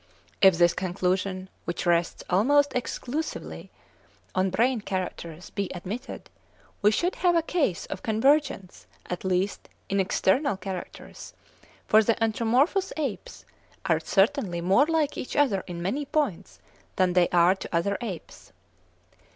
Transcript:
If this conclusion, which rests almost exclusively on brain characters, be admitted, we should have a case of convergence at least in external characters, for the anthropomorphous apes are certainly more like each other in many points, than they are to other apes.